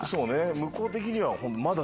向こう的にはまだ